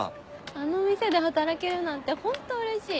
あの店で働けるなんてホントうれしい。